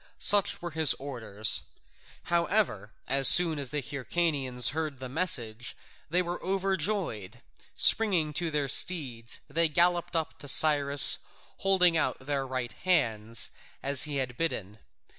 Such were his orders. However, as soon as the Hyrcanians heard the message, they were overjoyed: springing to their steeds they galloped up to Cyrus, holding out their right hands as he had bidden.